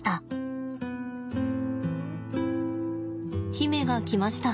媛が来ました。